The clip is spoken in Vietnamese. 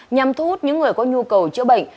nhằm thu hút những người có nhu cầu chữa bệnh